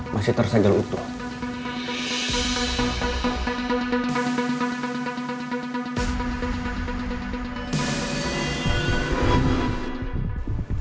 masih tersajal utuh